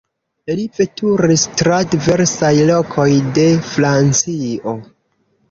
Li veturis tra diversaj lokoj de Francio.